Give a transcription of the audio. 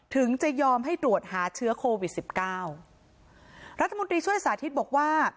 ถึงจะยอมให้ตรวจหาเชื้อโควิดสิบเก้ารัฐมนตรีช่วยสาธิตบอกว่า